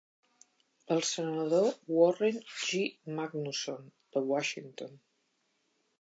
El senador Warren G. Magnuson de Washington.